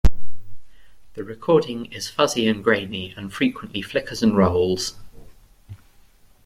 The recording is fuzzy and grainy, and frequently flickers and rolls.